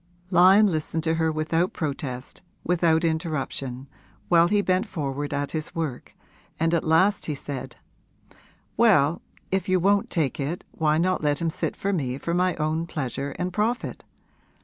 Lyon listened to her without protest, without interruption, while he bent forward at his work, and at last he said: 'Well, if you won't take it why not let him sit for me for my own pleasure and profit?